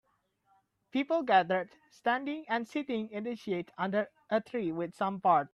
People gathered, standing and sitting in the shade under a tree with some parts.